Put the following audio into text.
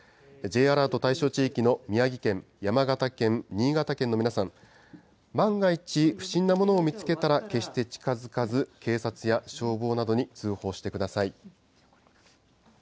Ｊアラート対象地域の宮城県、山形県、新潟県の皆さん、万が一、不審なものを見つけたら、決して近づかず、警察や消防などに通報してください。